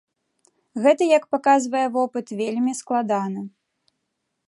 Гэта як паказвае вопыт, вельмі складана.